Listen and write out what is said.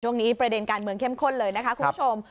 ประเด็นการเมืองเข้มข้นเลยนะคะคุณผู้ชม